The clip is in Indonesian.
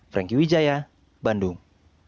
franky wijaya bandung